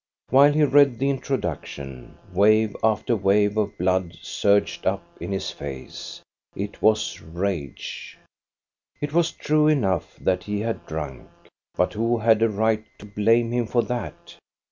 While he read the introduction, wave after wave of blood surged up in his face, — it was rage. INTRODUCTION 3 It was true enough that he had drunk, but who had a right to blame him for that?